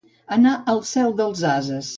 Anar al cel dels ases.